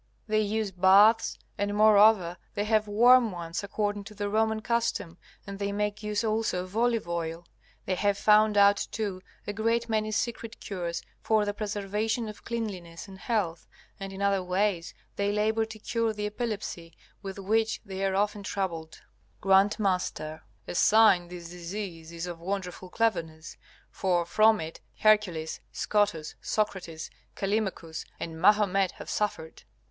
They use baths, and moreover they have warm ones according to the Roman custom, and they make use also of olive oil. They have found out, too, a great many secret cures for the preservation of cleanliness and health. And in other ways they labor to cure the epilepsy, with which they are often troubled. G.M. A sign this disease is of wonderful cleverness, for from it Hercules, Scotus, Socrates, Callimachus, and Mahomet have suffered.